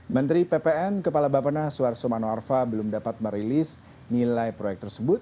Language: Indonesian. menteri ppn kepala bapak naswar so manoarfa belum dapat merilis nilai proyek tersebut